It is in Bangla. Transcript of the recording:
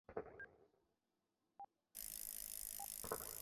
আমি তোমাকে নিয়ে গর্ব করি।